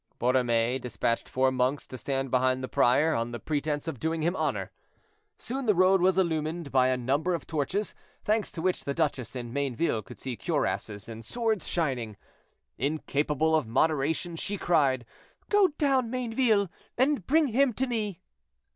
Borromée dispatched four monks to stand behind the prior, on the pretense of doing him honor. Soon the road was illumined by a number of torches, thanks to which the duchess and Mayneville could see cuirasses and swords shining. Incapable of moderation, she cried—"Go down, Mayneville, and bring him to me."